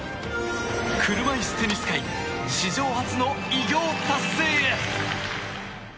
車いすテニス界史上初の偉業達成へ。